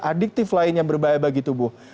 adiktif lain yang berbahaya bagi tubuh